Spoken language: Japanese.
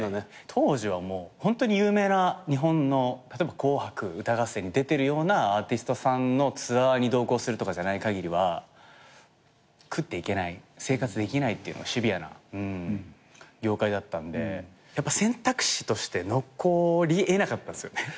当時はもう有名な日本の例えば『紅白歌合戦』に出てるようなアーティストさんのツアーに同行するとかじゃない限りは食っていけない生活できないっていうシビアな業界だったんで選択肢として残り得なかったんすよね。